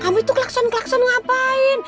kamu itu kelakson kelakson ngapain